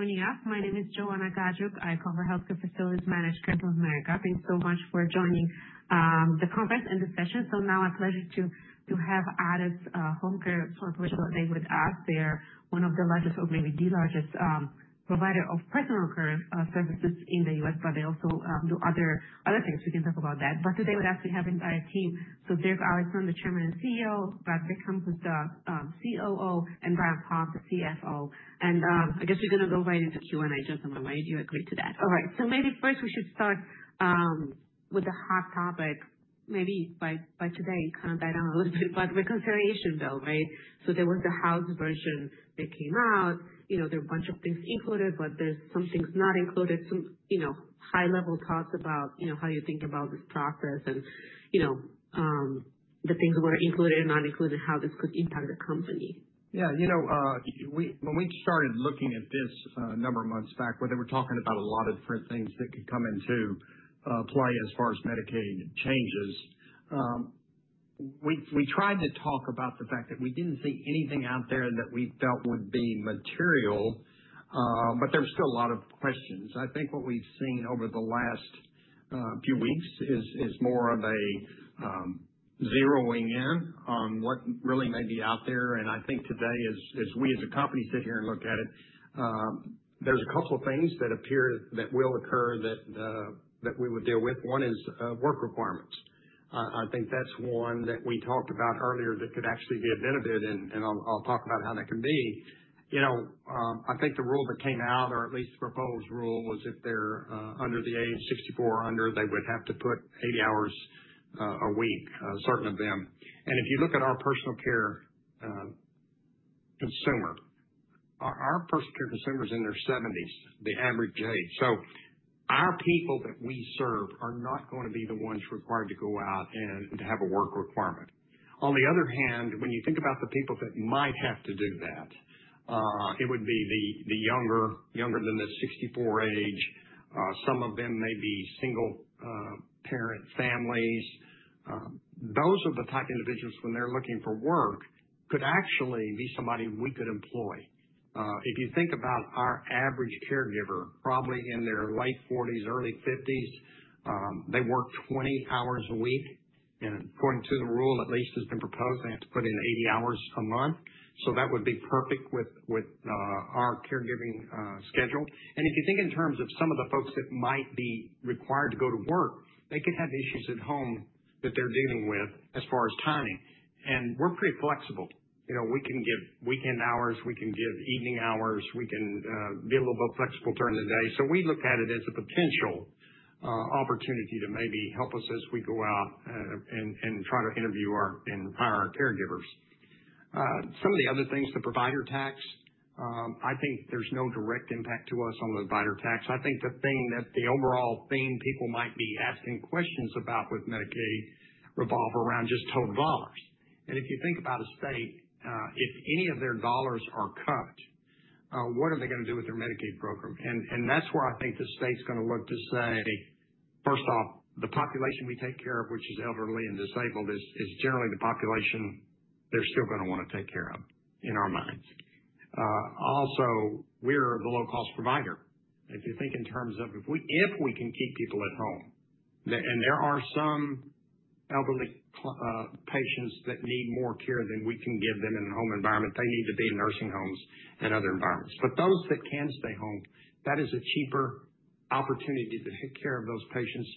Thanks for joining us. My name is Joanna Gajuk. I cover healthcare facilities managed in America. Thanks so much for joining the conference and the session. Now, a pleasure to have Addus HomeCare for a virtual day with us. They are one of the largest, or maybe the largest, providers of personal care services in the U.S., but they also do other things. We can talk about that. Today, with us, we have an entire team. Derek Allison, the Chairman and CEO, Brad Beckham, who's the COO, and Brian Poff, the CFO. I guess we're going to go right into Q&A, gentlemen. Why don't you agree to that? All right. Maybe first, we should start with the hot topic, maybe by today, kind of died down a little bit, but reconsideration bill, right? There was the House version that came out. There are a bunch of things included, but there's some things not included, some high-level thoughts about how you think about this process and the things that were included and not included, and how this could impact the company? Yeah. When we started looking at this a number of months back, where they were talking about a lot of different things that could come into play as far as Medicaid changes, we tried to talk about the fact that we did not see anything out there that we felt would be material, but there were still a lot of questions. I think what we have seen over the last few weeks is more of a zeroing in on what really may be out there. I think today, as we as a company sit here and look at it, there are a couple of things that appear that will occur that we would deal with. One is work requirements. I think that is one that we talked about earlier that could actually be a benefit, and I will talk about how that can be. I think the rule that came out, or at least the proposed rule, was if they're under the age of 64 or under, they would have to put 80 hours a week, certain of them. If you look at our personal care consumer, our personal care consumer is in their 70s, the average age. Our people that we serve are not going to be the ones required to go out and have a work requirement. On the other hand, when you think about the people that might have to do that, it would be the younger, younger than the 64 age. Some of them may be single-parent families. Those are the type of individuals when they're looking for work could actually be somebody we could employ. If you think about our average caregiver, probably in their late 40s, early 50s, they work 20 hours a week. According to the rule, at least, it's been proposed they have to put in 80 hours a month. That would be perfect with our caregiving schedule. If you think in terms of some of the folks that might be required to go to work, they could have issues at home that they're dealing with as far as timing. We're pretty flexible. We can give weekend hours. We can give evening hours. We can be a little bit flexible during the day. We look at it as a potential opportunity to maybe help us as we go out and try to interview and hire our caregivers. Some of the other things, the provider tax, I think there's no direct impact to us on the provider tax. I think the thing that the overall theme people might be asking questions about with Medicaid revolve around just total dollars. If you think about a state, if any of their dollars are cut, what are they going to do with their Medicaid program? That is where I think the state's going to look to say, first off, the population we take care of, which is elderly and disabled, is generally the population they're still going to want to take care of in our minds. Also, we're the low-cost provider. If you think in terms of if we can keep people at home, and there are some elderly patients that need more care than we can give them in a home environment, they need to be in nursing homes and other environments. Those that can stay home, that is a cheaper opportunity to take care of those patients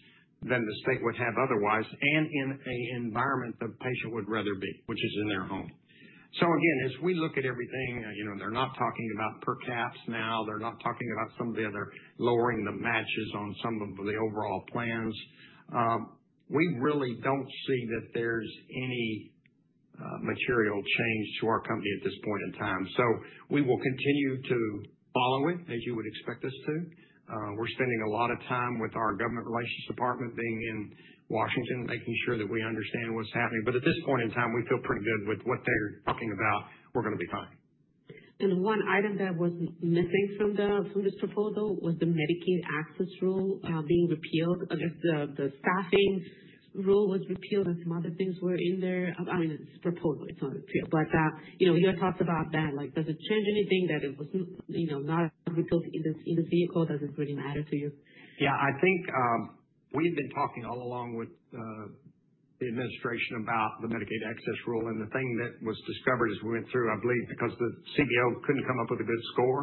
than the state would have otherwise, and in an environment the patient would rather be, which is in their home. Again, as we look at everything, they're not talking about per caps now. They're not talking about some of the other lowering the matches on some of the overall plans. We really do not see that there's any material change to our company at this point in time. We will continue to follow it, as you would expect us to. We're spending a lot of time with our government relations department being in Washington, D.C., making sure that we understand what's happening. At this point in time, we feel pretty good with what they're talking about. We're going to be fine. One item that was missing from this proposal was the Medicaid Access Rule being repealed. I guess the Staffing Rule was repealed and some other things were in there. I mean, it's a proposal. It's not repealed. You had talked about that. Does it change anything that it was not repealed in this vehicle? Does it really matter to you? Yeah. I think we've been talking all along with the administration about the Medicaid access rule. The thing that was discovered as we went through, I believe, because the CBO couldn't come up with a good score,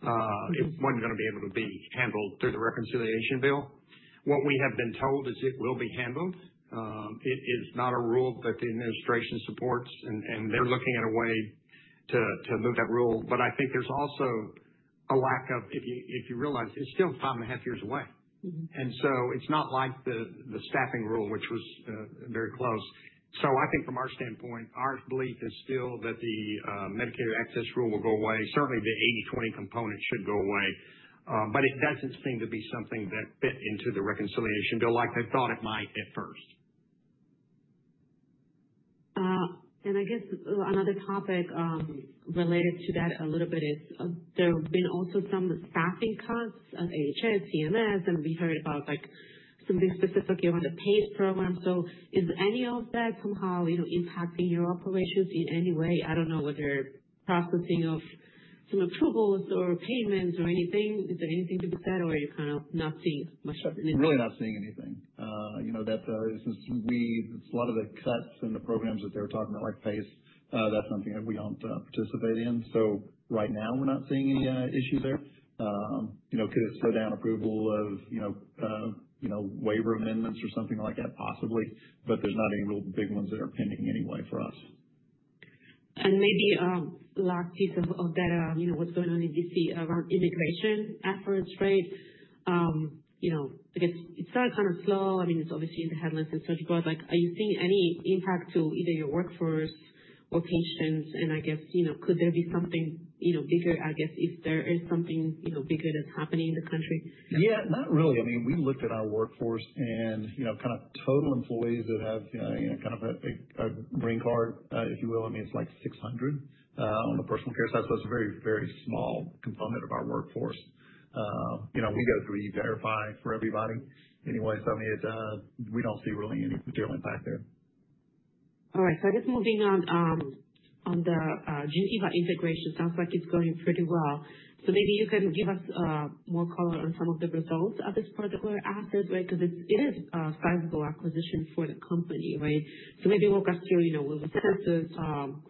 it wasn't going to be able to be handled through the reconciliation bill. What we have been told is it will be handled. It is not a rule that the administration supports, and they're looking at a way to move that rule. I think there's also a lack of, if you realize, it's still five and a half years away. It's not like the staffing rule, which was very close. I think from our standpoint, our belief is still that the Medicaid access rule will go away. Certainly, the 80/20 component should go away, but it doesn't seem to be something that fit into the reconciliation bill like they thought it might at first. I guess another topic related to that a little bit is there have been also some staffing cuts. AHS, CMS, and we heard about something specific around the PACE Program. Is any of that somehow impacting your operations in any way? I do not know whether processing of some approvals or payments or anything. Is there anything to be said, or are you kind of not seeing much of anything? Really not seeing anything. A lot of the cuts and the programs that they're talking about, like PACE, that's something that we don't participate in. Right now, we're not seeing any issue there. Could it slow down approval of waiver amendments or something like that? Possibly. There's not any real big ones that are pending anyway for us. Maybe last piece of that, what's going on in Washington, D.C. around immigration efforts, right? I guess it's kind of slow. I mean, it's obviously in the headlines and search bars. Are you seeing any impact to either your workforce or patients? I guess, could there be something bigger, I guess, if there is something bigger that's happening in the country? Yeah. Not really. I mean, we looked at our workforce and kind of total employees that have kind of a green card, if you will. I mean, it's like 600 on the personal care side, so it's a very, very small component of our workforce. We go through E-Verify for everybody. Anyway, I mean, we don't see really any real impact there. All right. I guess moving on, the Gentiva integration sounds like it's going pretty well. Maybe you can give us more color on some of the results at this particular asset, right? Because it is a sizable acquisition for the company, right? Maybe we'll get to the census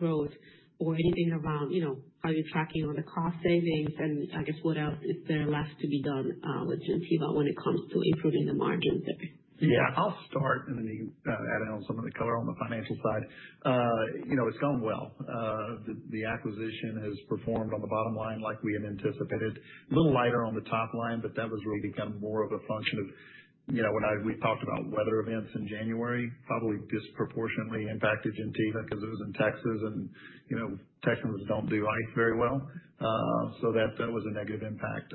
growth or anything around how you're tracking on the cost savings. I guess what else is there left to be done with Gentiva when it comes to improving the margin there? Yeah. I'll start, and then you can add in some of the color on the financial side. It's gone well. The acquisition has performed on the bottom line like we had anticipated. A little lighter on the top line, but that was really become more of a function of when we talked about weather events in January, probably disproportionately impacted Gentiva because it was in Texas, and Texans don't do ice very well. That was a negative impact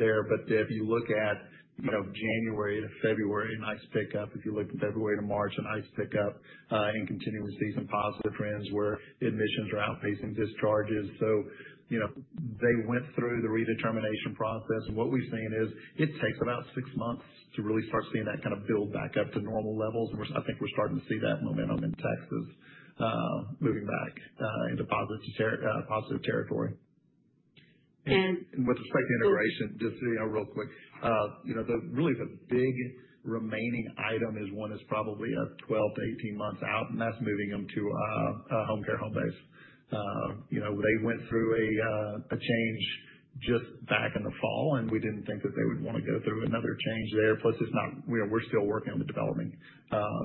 there. If you look at January to February, nice pickup. If you look in February to March, a nice pickup in continuing season positive trends where admissions are outpacing discharges. They went through the redetermination process. What we've seen is it takes about six months to really start seeing that kind of build back up to normal levels. I think we're starting to see that momentum in Texas moving back into positive territory. With respect to integration, just real quick, really the big remaining item is one that is probably 12-18 months out, and that's moving them to HomeCare HomeBase. They went through a change just back in the fall, and we didn't think that they would want to go through another change there. Plus, we're still working on the development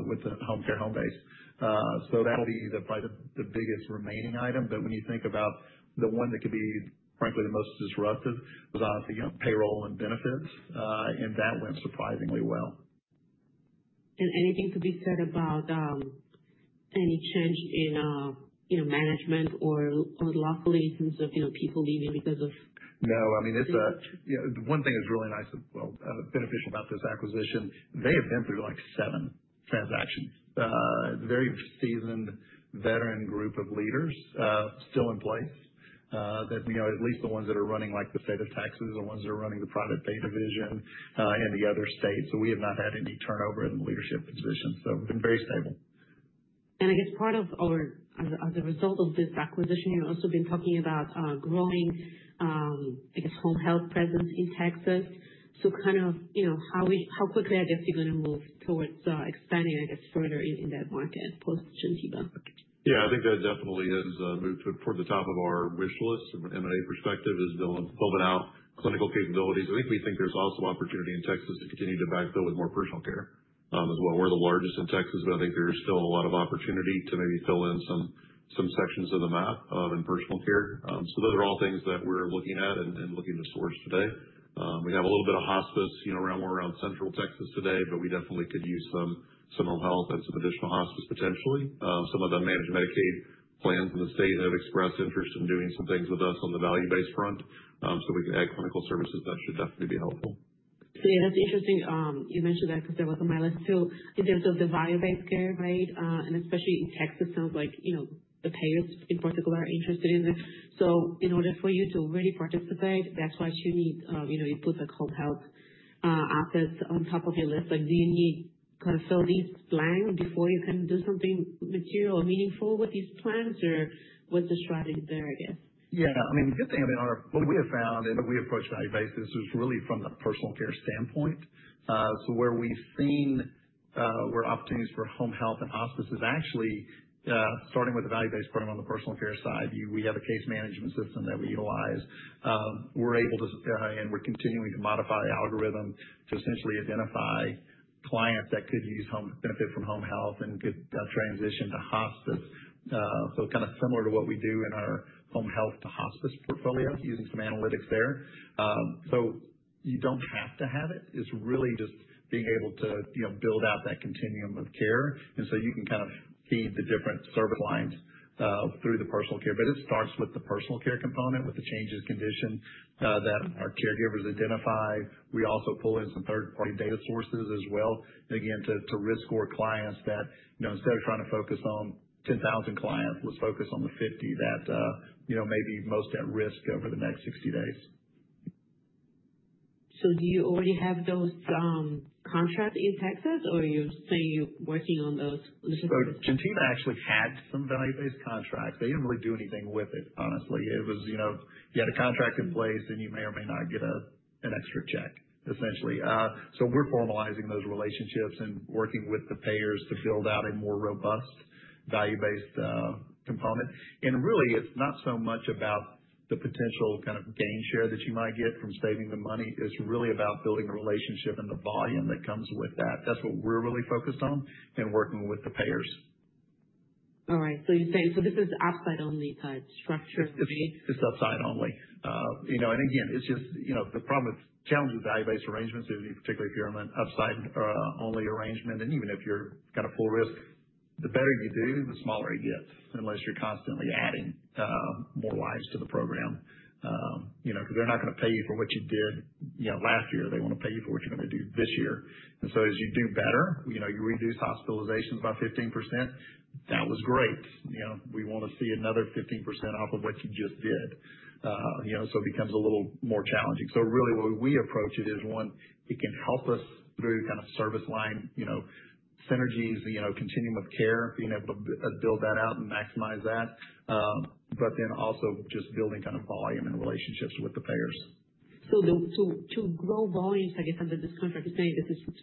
with HomeCare HomeBase. That will probably be the biggest remaining item. When you think about the one that could be, frankly, the most disruptive, it was obviously payroll and benefits, and that went surprisingly well. There anything to be said about any change in management or loss in terms of people leaving because of it? No. I mean, one thing that's really nice and beneficial about this acquisition, they have been through like seven transactions. Very seasoned veteran group of leaders still in place that at least the ones that are running the state of Texas or ones that are running the private pay division in the other states. So we have not had any turnover in the leadership position. So we've been very stable. I guess part of or as a result of this acquisition, you've also been talking about growing, I guess, home health presence in Texas. Kind of how quickly, I guess, you're going to move towards expanding, I guess, further in that market post-Gentiva? Yeah. I think that definitely has moved toward the top of our wish list from an M&A perspective is building out clinical capabilities. I think we think there's also opportunity in Texas to continue to backfill with more personal care as well. We're the largest in Texas, but I think there's still a lot of opportunity to maybe fill in some sections of the map in personal care. Those are all things that we're looking at and looking to source today. We have a little bit of hospice more around central Texas today, but we definitely could use some home health and some additional hospice potentially. Some of the managed Medicaid plans in the state have expressed interest in doing some things with us on the value-based front. We can add clinical services. That should definitely be helpful. Yeah, that's interesting. You mentioned that because that was on my list too in terms of the value-based care, right? Especially in Texas, sounds like the payers in particular are interested in it. In order for you to really participate, that's why you need you put home health assets on top of your list. Do you need to kind of fill these blanks before you can do something material or meaningful with these plans, or what's the strategy there, I guess? Yeah. I mean, the good thing about what we have found, and we approach value-based, this is really from the personal care standpoint. Where we've seen where opportunities for home health and hospice is actually starting with the value-based program on the personal care side. We have a case management system that we utilize. We're able to, and we're continuing to modify the algorithm to essentially identify clients that could benefit from home health and could transition to hospice. Kind of similar to what we do in our home health to hospice portfolio using some analytics there. You don't have to have it. It's really just being able to build out that continuum of care. You can kind of feed the different service lines through the personal care. It starts with the personal care component with the changes in condition that our caregivers identify. We also pull in some third-party data sources as well. Again, to risk our clients that instead of trying to focus on 10,000 clients, let's focus on the 50 that may be most at risk over the next 60 days. Do you already have those contracts in Texas, or are you saying you're working on those? Gentiva actually had some value-based contracts. They did not really do anything with it, honestly. It was you had a contract in place, and you may or may not get an extra check, essentially. We are formalizing those relationships and working with the payers to build out a more robust value-based component. Really, it is not so much about the potential kind of gain share that you might get from saving the money. It is really about building the relationship and the volume that comes with that. That is what we are really focused on and working with the payers. All right. You're saying this is upside-only type structure? It's upside-only. Again, the problem with challenges with value-based arrangements is, particularly if you're on an upside-only arrangement, and even if you're kind of full risk, the better you do, the smaller it gets unless you're constantly adding more lives to the program. Because they're not going to pay you for what you did last year. They want to pay you for what you're going to do this year. As you do better, you reduce hospitalizations by 15%, that was great. They want to see another 15% off of what you just did. It becomes a little more challenging. Really, the way we approach it is, one, it can help us through kind of service line synergies, continuum of care, being able to build that out and maximize that. Also, just building kind of volume and relationships with the payers. To grow volumes, I guess, under this contract, you're saying this is sort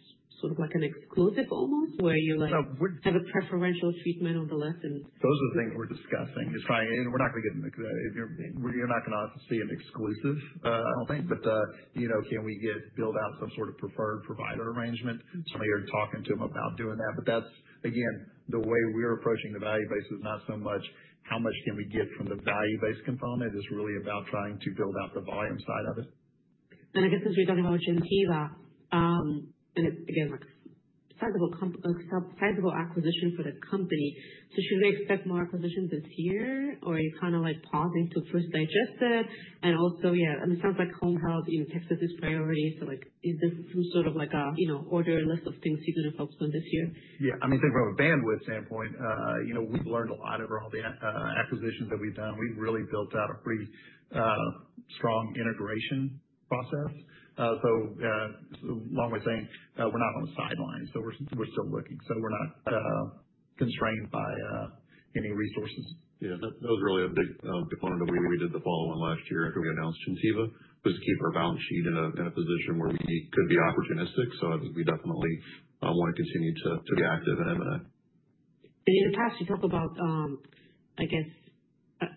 of like an exclusive almost, where you have a preferential treatment on the lesson? Those are the things we're discussing. We're not going to get—you’re not going to see an exclusive, I don't think. Can we build out some sort of preferred provider arrangement? We're talking to them about doing that. That is, again, the way we're approaching the value-based is not so much how much can we get from the value-based component. It's really about trying to build out the volume side of it. I guess since we're talking about Gentiva, and again, sizable acquisition for the company, should we expect more acquisitions this year, or are you kind of pausing to first digest it? Also, yeah, it sounds like home health in Texas is a priority. Is there some sort of order list of things you're going to focus on this year? Yeah. I mean, I think from a bandwidth standpoint, we've learned a lot over all the acquisitions that we've done. We've really built out a pretty strong integration process. Along with saying we're not on the sidelines, we're still looking. We're not constrained by any resources. Yeah. That was really a big component that we did the follow-on last year after we announced Gentiva, to keep our balance sheet in a position where we could be opportunistic. I think we definitely want to continue to be active in M&A. In the past, you talked about, I guess,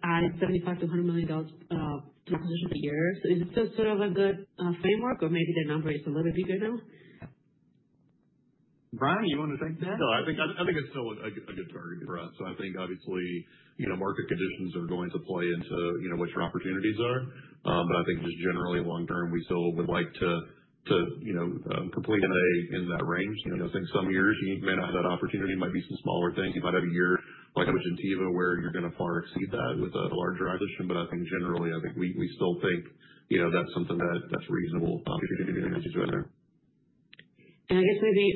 adding $75 million to $100 million to acquisition per year. Is it still sort of a good framework, or maybe the number is a little bit bigger now? Brian, you want to take that? No, I think it's still a good target for us. I think, obviously, market conditions are going to play into what your opportunities are. I think just generally, long term, we still would like to complete M&A in that range. I think some years you may not have that opportunity. It might be some smaller things. You might have a year like with Gentiva where you're going to far exceed that with a larger acquisition. I think generally, I think we still think that's something that's reasonable if you're going to be doing it in there. I guess maybe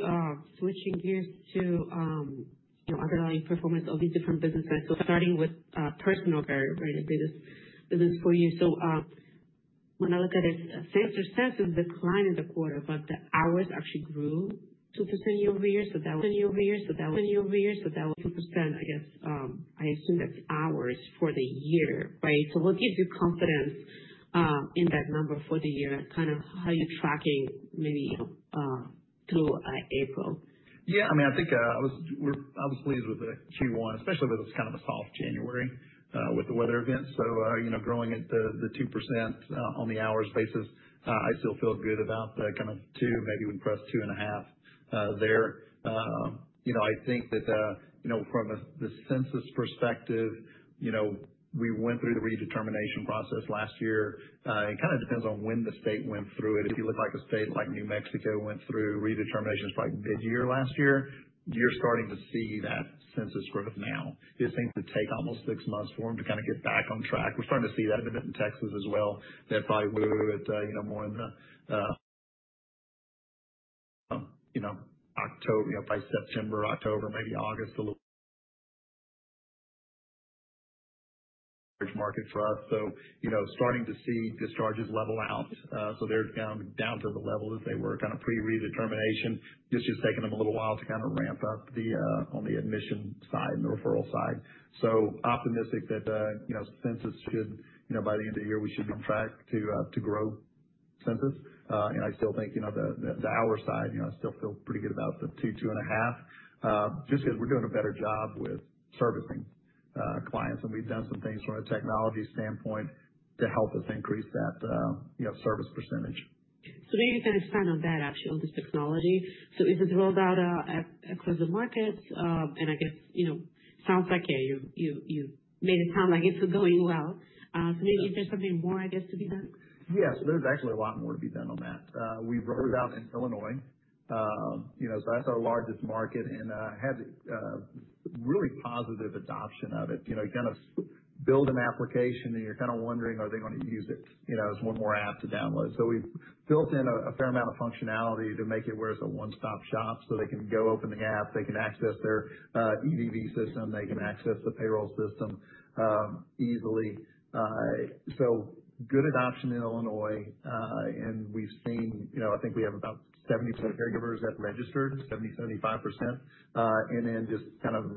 switching gears to underlying performance of these different businesses. Starting with personal care, right? The biggest business for you. When I look at it, your sales have declined in the quarter, but the hours actually grew 2% year-over-year. That was 2%. I guess I assume that's hours for the year, right? What gives you confidence in that number for the year? Kind of how are you tracking maybe through April? Yeah. I mean, I think I was pleased with Q1, especially because it's kind of a soft January with the weather events. So growing at the 2% on the hours basis, I still feel good about the kind of two, maybe we'd press two and a half there. I think that from the census perspective, we went through the redetermination process last year. It kind of depends on when the state went through it. If you look at a state like New Mexico went through redetermination probably mid-year last year, you're starting to see that census growth now. It seems to take almost six months for them to kind of get back on track. We're starting to see that a bit in Texas as well. That probably moved more in October, by September, October, maybe August, a little market for us. Starting to see discharges level out. They're down to the level that they were kind of pre-redetermination. It's just taken them a little while to kind of ramp up on the admission side and the referral side. Optimistic that census should, by the end of the year, we should be on track to grow census. I still think the hour side, I still feel pretty good about the two, two and a half, just because we're doing a better job with servicing clients. We've done some things from a technology standpoint to help us increase that service percentage. Maybe you can expand on that, actually, on this technology. Is it rolled out across the markets? I guess it sounds like, yeah, you made it sound like it's going well. Maybe is there something more, I guess, to be done? Yeah. There is actually a lot more to be done on that. We have rolled it out in Illinois. That is our largest market, and had really positive adoption of it. You kind of build an application, and you are kind of wondering, are they going to use it as one more app to download? We have built in a fair amount of functionality to make it where it is a one-stop shop so they can go open the app. They can access their EVV system. They can access the payroll system easily. Good adoption in Illinois. We have seen, I think we have about 70% caregivers that registered, 70-75%.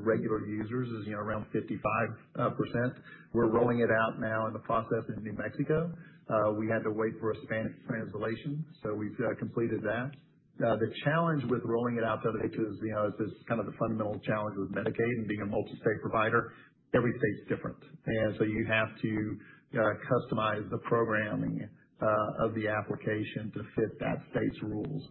Regular users is around 55%. We are rolling it out now in the process in New Mexico. We had to wait for a Spanish translation, so we have completed that. The challenge with rolling it out, because it's kind of the fundamental challenge with Medicaid and being a multi-state provider, every state's different. You have to customize the programming of the application to fit that state's rules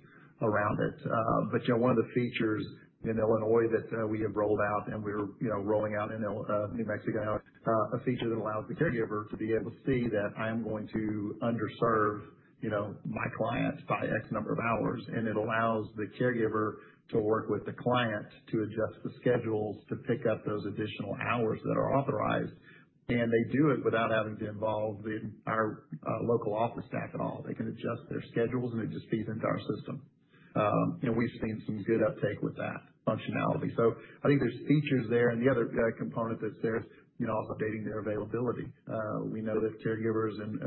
around it. One of the features in Illinois that we have rolled out, and we're rolling out in New Mexico, is a feature that allows the caregiver to be able to see that I am going to underserve my clients by X number of hours. It allows the caregiver to work with the client to adjust the schedules to pick up those additional hours that are authorized. They do it without having to involve our local office staff at all. They can adjust their schedules, and it just feeds into our system. We've seen some good uptake with that functionality. I think there's features there. The other component that's there is also updating their availability. We know that caregivers, and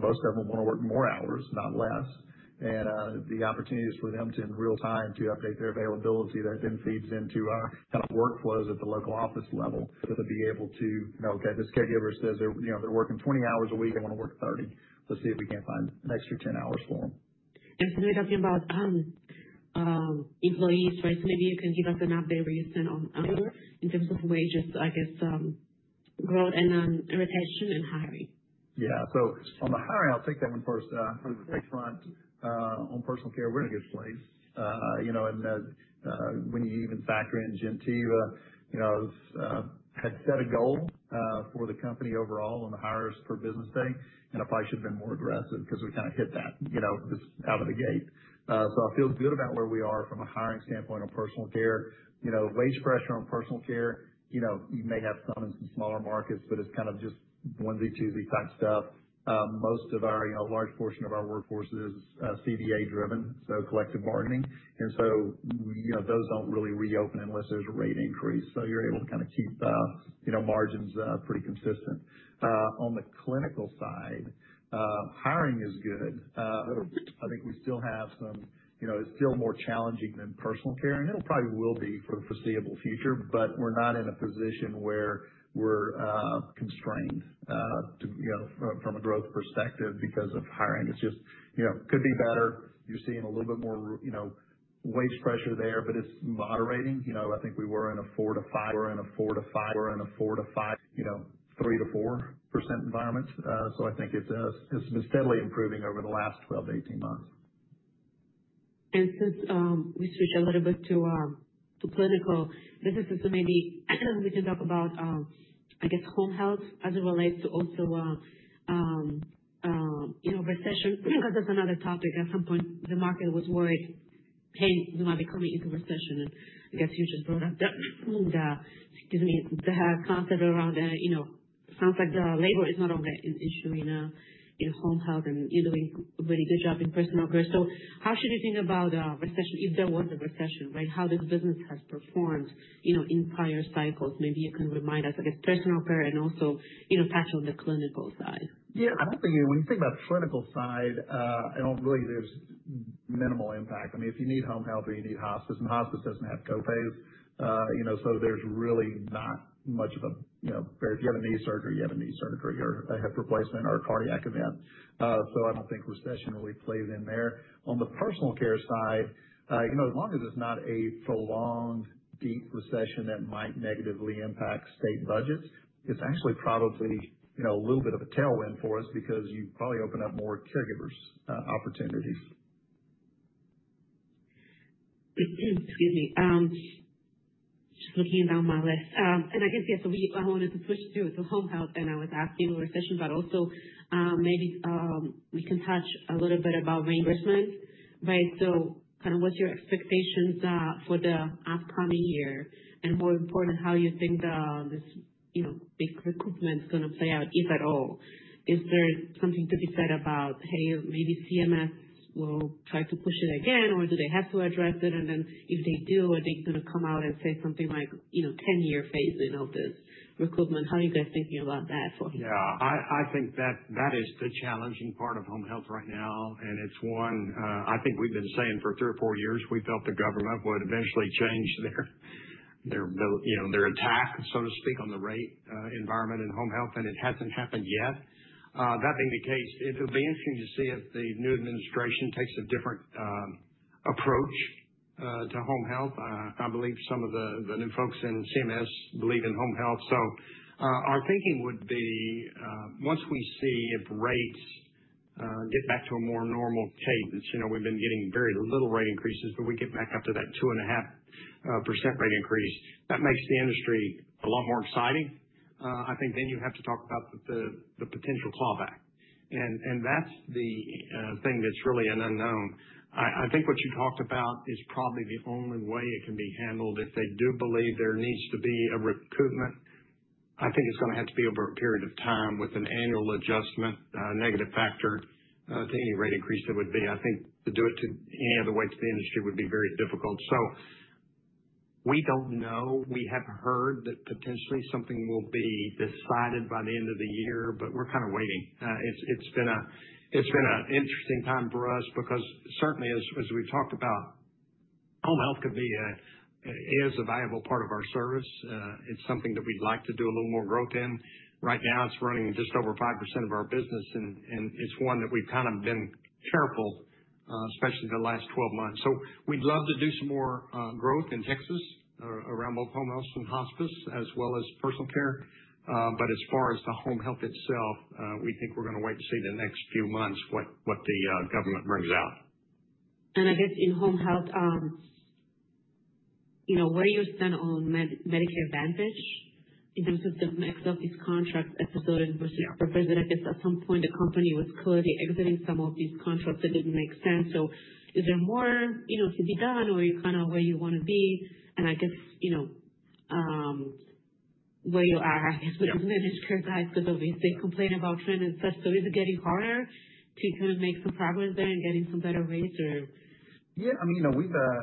most of them want to work more hours, not less. The opportunities for them to, in real time, update their availability, that then feeds into our kind of workflows at the local office level to be able to know, okay, this caregiver says they're working 20 hours a week. They want to work 30. Let's see if we can find an extra 10 hours for them. We're talking about employees, right? Maybe you can give us an update where you stand on in terms of wages, I guess, growth, and retention, and hiring. Yeah. On the hiring, I'll take that one first. On the front, on personal care, we're in a good place. When you even factor in Gentiva, I had set a goal for the company overall on the hires per business day. I probably should have been more aggressive because we kind of hit that just out of the gate. I feel good about where we are from a hiring standpoint on personal care. Wage pressure on personal care, you may have some in some smaller markets, but it's kind of just onesie, twosie type stuff. Most of our large portion of our workforce is CVA-driven, so collective bargaining. Those do not really reopen unless there's a rate increase. You're able to kind of keep margins pretty consistent. On the clinical side, hiring is good. I think we still have some—it is still more challenging than personal care. It probably will be for the foreseeable future. We are not in a position where we are constrained from a growth perspective because of hiring. It just could be better. You are seeing a little bit more wage pressure there, but it is moderating. I think we were in a 4%-5%—we were in a 4%-5%, 3%-4% environment. I think it has been steadily improving over the last 12-18 months. Since we switch a little bit to clinical, this is just maybe we can talk about, I guess, home health as it relates to also recession, because that's another topic. At some point, the market was worried, "Hey, we might be coming into recession." I guess you just brought up the—excuse me—the concept around the—sounds like the labor is not only an issue in home health, and you're doing a really good job in personal care. How should you think about recession, if there was a recession, right? How this business has performed in prior cycles. Maybe you can remind us, I guess, personal care and also touch on the clinical side. Yeah. I do not think—when you think about the clinical side, I do not really—there is minimal impact. I mean, if you need home health or you need hospice, and hospice does not have copays. There is really not much of a—if you have a knee surgery, you have a knee surgery or a hip replacement or a cardiac event. I do not think recession really plays in there. On the personal care side, as long as it is not a prolonged deep recession that might negatively impact state budgets, it is actually probably a little bit of a tailwind for us because you probably open up more caregivers' opportunities. Excuse me. Just looking down my list. I guess, yeah, I wanted to switch to home health, and I was asking about recession, but also maybe we can touch a little bit about reimbursement, right? Kind of what's your expectations for the upcoming year? More important, how do you think this big recruitment is going to play out, if at all? Is there something to be said about, "Hey, maybe CMS will try to push it again," or do they have to address it? If they do, are they going to come out and say something like, "10-year phase in all this recruitment"? How are you guys thinking about that for you? Yeah. I think that is the challenging part of home health right now. It is one I think we have been saying for three or four years, we felt the government would eventually change their attack, so to speak, on the rate environment in home health. It has not happened yet. That being the case, it will be interesting to see if the new administration takes a different approach to home health. I believe some of the new folks in CMS believe in home health. Our thinking would be once we see if rates get back to a more normal cadence—we have been getting very little rate increases, but we get back up to that 2.5% rate increase—that makes the industry a lot more exciting. I think then you have to talk about the potential clawback. That is the thing that is really an unknown. I think what you talked about is probably the only way it can be handled. If they do believe there needs to be a recruitment, I think it's going to have to be over a period of time with an annual adjustment, a negative factor to any rate increase that would be. I think to do it any other way to the industry would be very difficult. We do not know. We have heard that potentially something will be decided by the end of the year, but we're kind of waiting. It's been an interesting time for us because certainly, as we've talked about, home health is a viable part of our service. It's something that we'd like to do a little more growth in. Right now, it's running just over 5% of our business, and it's one that we've kind of been careful, especially the last 12 months. We'd love to do some more growth in Texas around both home health and hospice, as well as personal care. As far as the home health itself, we think we're going to wait and see the next few months what the government brings out. I guess in home health, where you stand on Medicare Advantage in terms of the mix of these contracts at this point versus the reason I guess at some point the company was clearly exiting some of these contracts that did not make sense. Is there more to be done, or are you kind of where you want to be? Where are you, I guess, with the managed care guys because obviously they complain about trends and such? Is it getting harder to kind of make some progress there and getting some better rates? Yeah. I mean,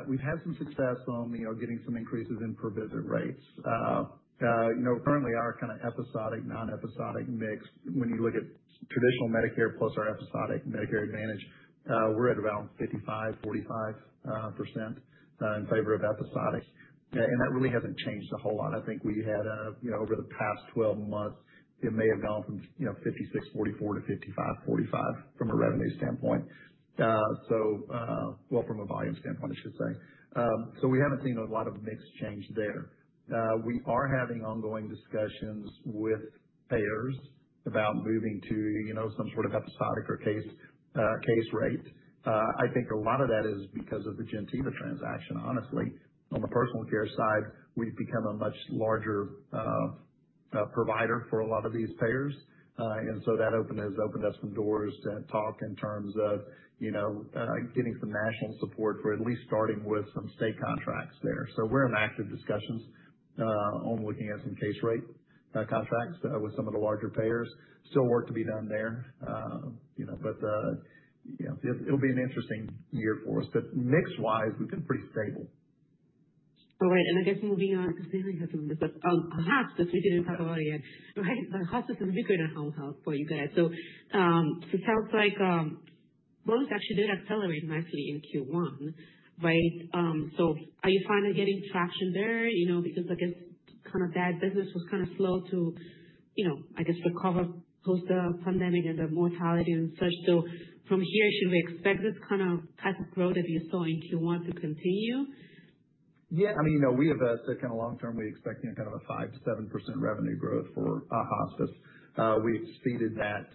we've had some success on getting some increases in per visit rates. Currently, our kind of episodic, non-episodic mix, when you look at traditional Medicare plus our episodic Medicare Advantage, we're at around 55%-45% in favor of episodic. That really hasn't changed a whole lot. I think we had, over the past 12 months, it may have gone from 56%-44% to 55%-45% from a revenue standpoint. From a volume standpoint, I should say. We haven't seen a lot of mix change there. We are having ongoing discussions with payers about moving to some sort of episodic or case rate. I think a lot of that is because of the Gentiva transaction, honestly. On the personal care side, we've become a much larger provider for a lot of these payers. That has opened up some doors to talk in terms of getting some national support for at least starting with some state contracts there. We are in active discussions on looking at some case rate contracts with some of the larger payers. Still work to be done there. It will be an interesting year for us. Mixed-wise, we have been pretty stable. All right. I guess moving on, because I have some of this stuff on hospice, which we did not talk about yet, right? Hospice is bigger than home health for you guys. It sounds like both actually did accelerate nicely in Q1, right? Are you finally getting traction there? I guess that business was kind of slow to recover post-pandemic and the mortality and such. From here, should we expect this kind of type of growth that you saw in Q1 to continue? Yeah. I mean, we have a kind of long-term we expect kind of a 5-7% revenue growth for hospice. We've exceeded that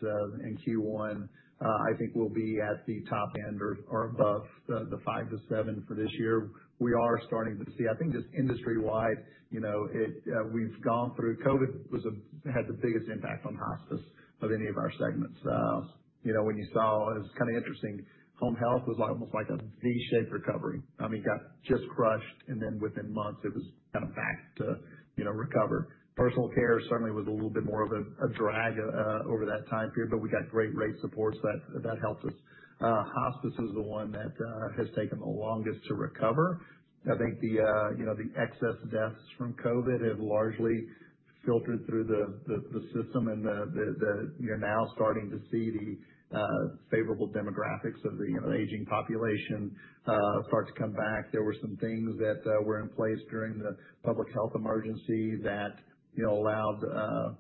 in Q1. I think we'll be at the top end or above the 5-7% for this year. We are starting to see, I think just industry-wide, we've gone through COVID had the biggest impact on hospice of any of our segments. When you saw, it was kind of interesting. Home health was almost like a V-shaped recovery. I mean, got just crushed, and then within months, it was kind of back to recover. Personal care certainly was a little bit more of a drag over that time period, but we got great rate support so that helped us. Hospice is the one that has taken the longest to recover. I think the excess deaths from COVID have largely filtered through the system, and you're now starting to see the favorable demographics of the aging population start to come back. There were some things that were in place during the public health emergency that allowed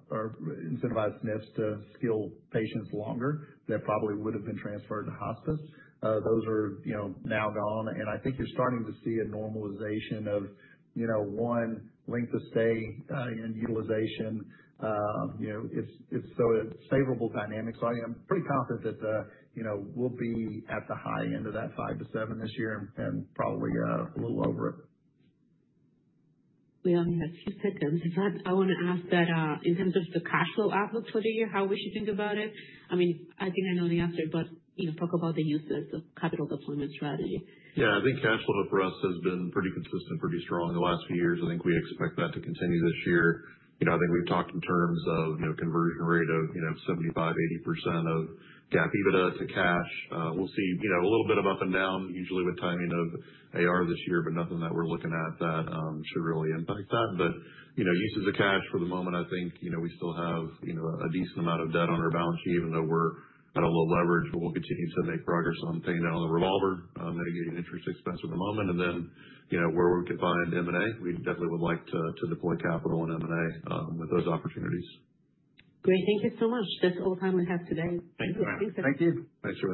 or incentivized NIPS to skill patients longer that probably would have been transferred to hospice. Those are now gone. I think you're starting to see a normalization of, one, length of stay and utilization. It's also a favorable dynamic. I am pretty confident that we'll be at the high end of that 5-7 this year and probably a little over it. We only have a few seconds. I want to ask that in terms of the cash flow outlook for the year, how would you think about it? I mean, I think I know the answer, but talk about the uses of capital deployment strategy. Yeah. I think cash flow for us has been pretty consistent, pretty strong the last few years. I think we expect that to continue this year. I think we've talked in terms of conversion rate of 75%-80% of GAAP EBITDA to cash. We'll see a little bit of up and down, usually with timing of AR this year, but nothing that we're looking at that should really impact that. Uses of cash for the moment, I think we still have a decent amount of debt on our balance sheet, even though we're at a low leverage, but we'll continue to make progress on paying down the revolver, mitigating interest expense at the moment. Where we could find M&A, we definitely would like to deploy capital in M&A with those opportunities. Great. Thank you so much. That's all the time we have today. Thank you. Thanks for.